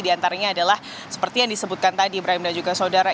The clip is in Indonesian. di antaranya adalah seperti yang disebutkan tadi brahim dan juga saudara